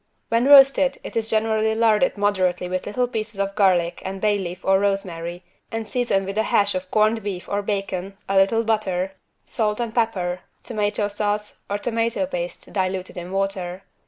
When roasted it is generally larded moderately with little pieces of garlic and bay leaf or rosemary and seasoned with a hash of corned beef or bacon, a little butter, salt and pepper, tomato sauce or tomato paste diluted in water.